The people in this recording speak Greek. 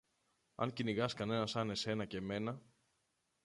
Αν κυνηγάς κανένα σαν εσένα και μένα